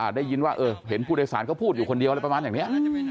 เห็นผู้โดยสารก็พูดอยู่คนเดียวแล้วประมาณอย่างนี้